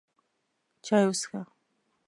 چای وڅښه!